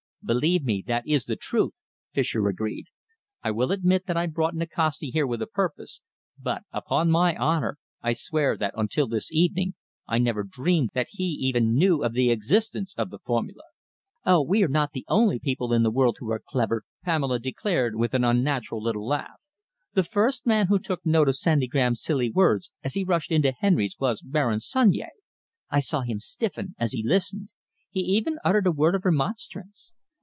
"Believe me, that is the truth," Fischer agreed. "I will admit that I brought Nikasti here with a purpose, but upon my honour I swear that until this evening I never dreamed that he even knew of the existence of the formula." "Oh! we are not the only people in the world who are clever," Pamela declared, with an unnatural little laugh. "The first man who took note of Sandy Graham's silly words as he rushed into Henry's was Baron Sunyea. I saw him stiffen as he listened. He even uttered a word of remonstrance.